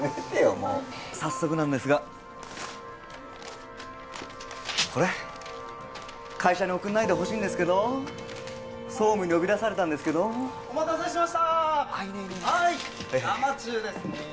もう早速なんですがこれ会社に送んないでほしいんですけど総務に呼び出されたんですけどお待たせしましたはい生中ですね